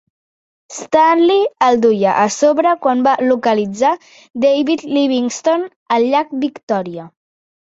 Stanley el duia a sobre quan va localitzar David Livingstone al llac Victòria.